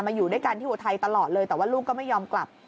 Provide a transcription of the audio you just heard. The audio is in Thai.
อยู่ด้วยกันที่อุทัยตลอดเลยแต่ว่าลูกก็ไม่ยอมกลับ